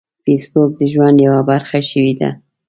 فېسبوک د ژوند یوه برخه شوې ده